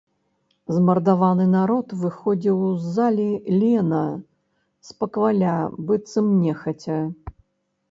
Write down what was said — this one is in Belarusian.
Змардаваны народ выходзіў з залі лена, спакваля, быццам нехаця.